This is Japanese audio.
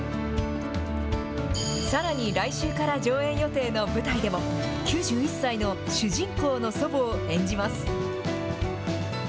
さらに来週から上演予定の舞台でも、９１歳の主人公の祖母を演じます。